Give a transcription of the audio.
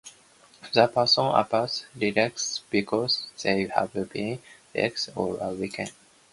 The parents appear relaxed because they have been relaxing all weekend.